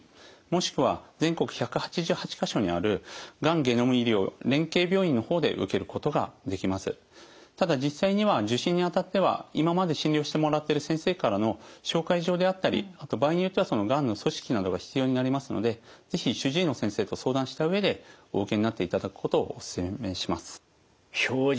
現在ではただ実際には受診にあたっては今まで診療してもらってる先生からの紹介状であったりあと場合によってはがんの組織などが必要になりますので是非主治医の先生と相談した上でお受けになっていただくことをお勧めします。